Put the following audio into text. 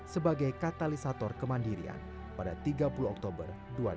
sebagai katalisator kemandirian pada tiga puluh oktober dua ribu dua puluh